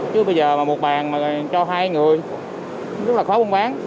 chứ bây giờ mà một bàn mà cho hai người rất là khó buôn bán